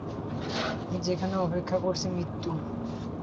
যেখানে অপেক্ষা করছে মৃত্যু।